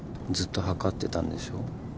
ずっとはかってたんでしょ？